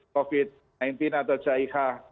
covid sembilan belas atau caiha